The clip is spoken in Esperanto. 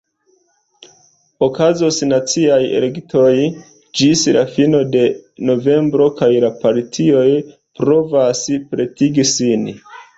Okazos naciaj elektoj ĝis la fino de novembro, kaj la partioj provas pretigi sin.